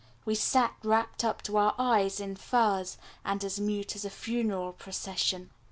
We sat wrapped up to our eyes in furs, and as mute as a funeral procession.